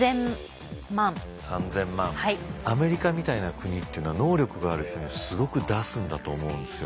アメリカみたいな国っていうのは能力がある人にはすごく出すんだと思うんですよ。